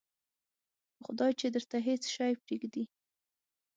په خدای چې درته هېڅ شی پرېږدي.